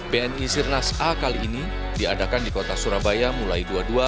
bni sirnas a kali ini diadakan di kota surabaya mulai dua puluh dua